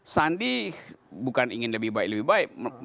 sandi bukan ingin lebih baik lebih baik